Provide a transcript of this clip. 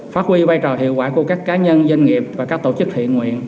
phát huy vai trò hiệu quả của các cá nhân doanh nghiệp và các tổ chức thiện nguyện